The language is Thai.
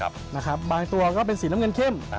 บางตัวก็เป็นสีน้ำเงินเข้ม